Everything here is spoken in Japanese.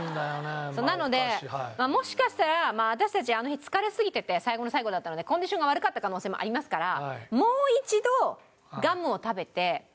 なのでもしかしたら私たちあの日疲れすぎてて最後の最後だったのでコンディションが悪かった可能性もありますから。